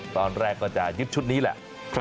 ตอนแรกก็จะยึดชุดนี้แหละ